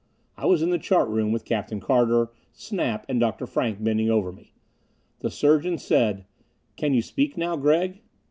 I was in the chart room, with Captain Carter, Snap and Dr. Frank bending over me. The surgeon said, "Can you speak now, Gregg?"